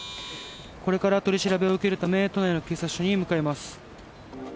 これから取り調べを受けるため都内の警察署に向かいます。